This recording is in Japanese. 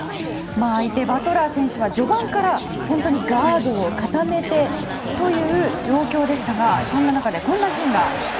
相手、バトラー選手は序盤からガードを固めてという状況でしたがそんな中で、こんなシーンが。